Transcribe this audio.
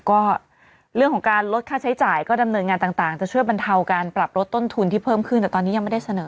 ก็เรื่องของการลดค่าใช้จ่ายก็ดำเนินงานต่างจะช่วยบรรเทาการปรับลดต้นทุนที่เพิ่มขึ้นแต่ตอนนี้ยังไม่ได้เสนอ